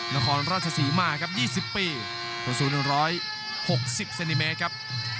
นครราชศรีมาครับ๒๐ปีประสูญ๑๖๐เซนติเมตรครับ